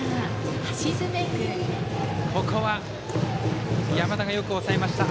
ここは山田がよく抑えました。